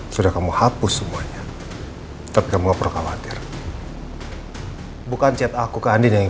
sudah kamu hapus semuanya tetap ngopro khawatir bukan cat aku kandinya yang